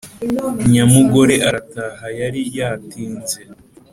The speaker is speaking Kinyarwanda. nyamugore arataha yari yatinze